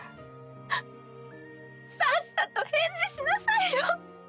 うぅさっさと返事しなさいよ。